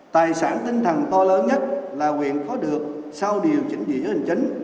tài sản tinh thần to lớn nhất là huyện có được sau điều chỉnh dịa hình chánh